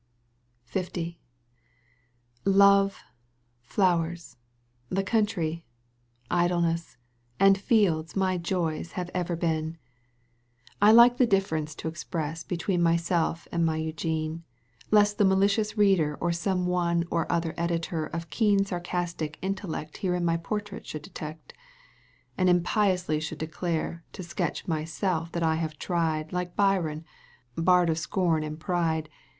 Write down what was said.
L. Love, flowers, the country, idleness And fields my joys have ever been ; CANTO I Digitized by Cj'OOQ 1С CANTO I. EUGENE ON^GUINE. 31 I like the diflference to express Between myself and my Eugene, Lest the malicious reader or Some one or other editor Of keen sarcastic intellect Herein my portrait should detect, And impiously should declare, To sketch myself that I have tried like Byron, bard of scorn and pride.